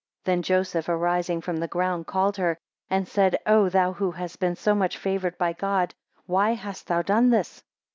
8 Then Joseph arising from the ground, called her, and said, O thou who hast been so much favoured by God, why hast thou done this?